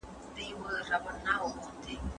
هغه وويل چي کتابتوني کار مهم دي!